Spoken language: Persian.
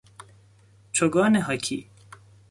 چوگان هاکی